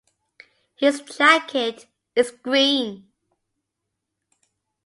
His jacket is green